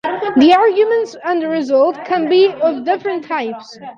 The arguments and result can be of different types.